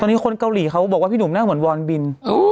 ตอนนี้คนเกาหลีเขาบอกว่าพี่หนุ่มนั่งเหมือนวอนบิน